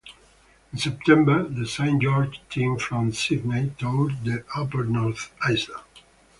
In September the St George team from Sydney toured the upper North Island.